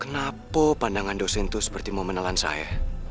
kenapa pandangan dosen itu seperti mau menelan saya